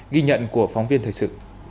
ghi nhận của phóng viên thời sự